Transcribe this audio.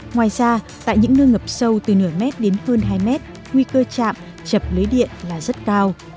ngoài ra tại những nơi ngập sâu từ nửa mét đến hơn hai mét nguy cơ chạm chập lưới điện là rất cao